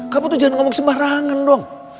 kamu tuh jangan ngomong sembarangan dong